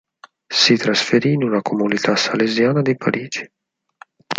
Si trasferì in una comunità salesiana di Parigi.